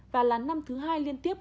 và là năm thứ hai liên tiếp